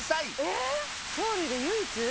えっ鳥類で唯一？